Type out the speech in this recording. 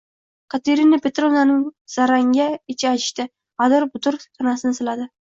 Katerina Petrovnaning zarangga ichi achishdi, gʻadir-budir tanasini siladi.